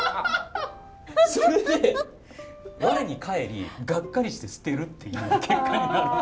それで我に返りがっかりして捨てるっていう結果になる。